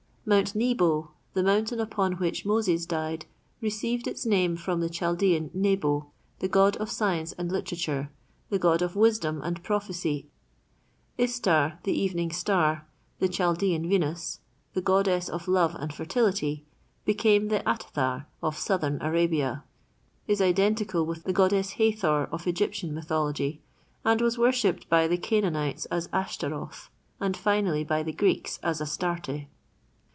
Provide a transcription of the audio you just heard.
Mount Nebo, the mountain upon which Moses died, received its name from the Chaldean Nebo, the god of science and literature, the god of wisdom and prophesy. Istar, the evening star, the Chaldean Venus, the goddess of love and fertility, became the Atthar of southern Arabia, is identical with the goddess Hathor, of Egyptian mythology, and was worshipped by the Canaanites as Ashtaroth, and finally by the Greeks as Astarte.